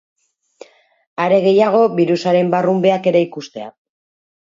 Are gehiago birusaren barrunbeak ere ikustea.